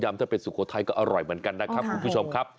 ถ้าเป็นสุโขทัยก็อร่อยเหมือนกันนะครับคุณผู้ชมครับ